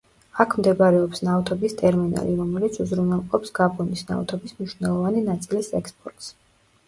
აქ მდებარეობს ნავთობის ტერმინალი, რომელიც უზრუნველყოფს გაბონის ნავთობის მნიშვნელოვანი ნაწილის ექსპორტს.